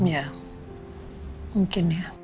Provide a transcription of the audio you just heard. ya mungkin ya